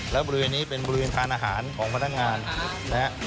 แล้วบริเวณนี้เป็นบริเวณทานอาหารของพนักงานนะครับ